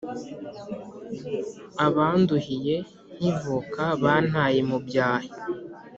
Abanduhiye nkivuka Bantaye mu byahi!